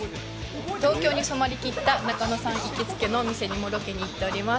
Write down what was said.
東京に染まりきった中野さん行きつけのお店にもロケに行っております。